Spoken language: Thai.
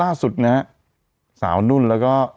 ล่าสุดนะศาวนุ่นนุษย์แล้วก็